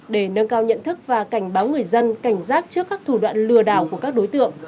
để nâng cao nhận thức và cảnh báo người dân cảnh giác trước các thủ đoạn lừa đảo của các đối tượng